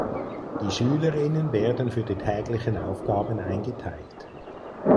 Die Schülerinnen werden für die täglichen Aufgaben eingeteilt.